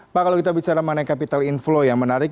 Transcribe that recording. pak kalau kita bicara mengenai capital inflow yang menarik